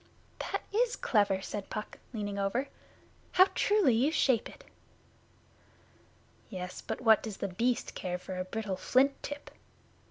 'That is clever,' said Puck, leaning over. 'How truly you shape it!' 'Yes, but what does The Beast care for a brittle flint tip?